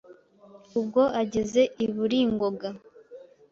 Ubwo ageze i Buringoga